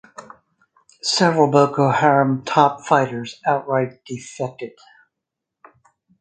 Several Boko Haram "top fighters" outright defected.